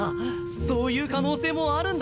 そういう可能性もあるんだな。